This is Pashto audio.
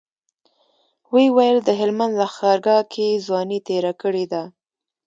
ويې ويل د هلمند لښکرګاه کې ځواني تېره کړې ده.